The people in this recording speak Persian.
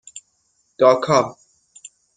داکا